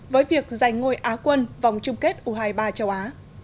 với việc giành ngôi á quân vòng chung kết u hai mươi ba châu á